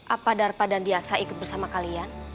apa darpa dan diaksa ikut bersama kalian